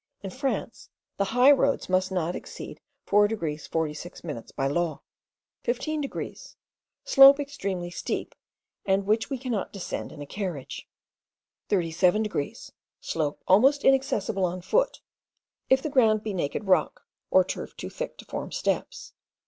In France the high roads must not exceed 4 degrees 46 minutes by law; 15 degrees, slope extremely steep, and which we cannot descend in a carriage; 37 degrees, slope almost inaccessible on foot, if the ground be naked rock, or turf too thick to form steps.